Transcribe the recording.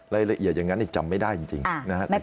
รายละเอียดอย่างนั้นจำไม่ได้จริงนะครับ